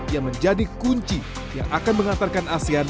yang menjadi kunci yang akan mengantarkan asean